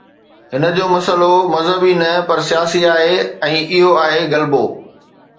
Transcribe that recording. هن جو مسئلو مذهبي نه پر سياسي آهي ۽ اهو آهي غلبو.